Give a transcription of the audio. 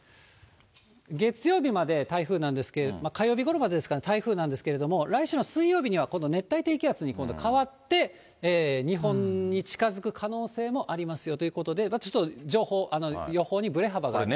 月曜日まで台風なんですけれども、火曜日ごろまでですかね、台風なんですけれども、来週の水曜日には今度、熱帯低気圧に今度変わって、日本に近づく可能性もありますよということで、ちょっと情報、予報にぶれ幅がある。